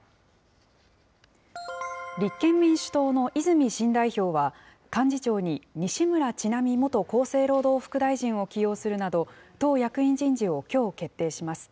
立憲民主党の泉新代表は、幹事長に西村智奈美元厚生労働副大臣を起用するなど、党役員人事をきょう決定します。